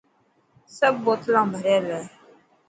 سب بوتلنا ڀريل هي.